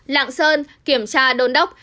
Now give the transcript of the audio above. lạng sơn kiểm tra đôn đốc